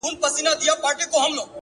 څه لېونۍ شاني گناه مي په سجده کي وکړه!!